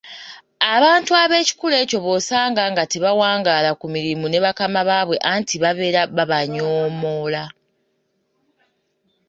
Abantu ab'ekikula ekyo b'osanga nga tebawangaala ku mirimu ne bakama baabwe anti babeera babanyoomoola